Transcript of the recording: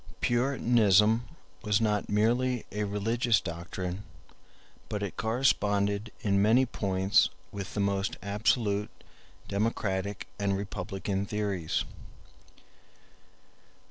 Puritanism was not merely a religious doctrine, but it corresponded in many points with the most absolute democratic and republican theories.